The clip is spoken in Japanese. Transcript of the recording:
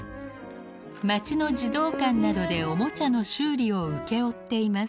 町の児童館などでおもちゃの修理を請け負っています。